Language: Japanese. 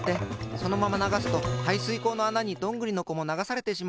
そのままながすとはいすいこうのあなにどんぐりのこもながされてしまう。